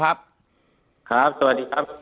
ครับสวัสดีครับ